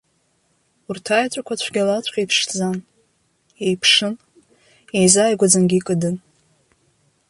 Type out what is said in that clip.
Урҭ аеҵәақәа цәгьалаҵәҟьа иԥшӡан, еиԥшын, еизааигәаӡангьы икыдын.